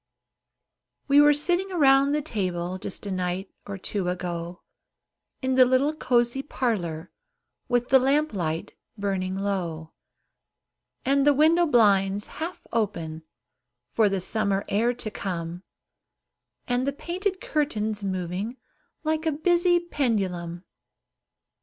We were sitting around the table, Just a night or two ago, In the little cozy parlor, With the lamp light burning low, And the window blinds half opened, For the summer air to come, And the painted curtains moving Like a busy pendulum.